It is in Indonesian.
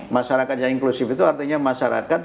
masyarakat yang inklusif itu artinya masyarakat